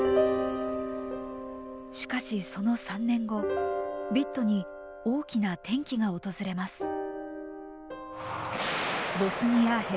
しかしその３年後ビットに大きな転機が訪れます。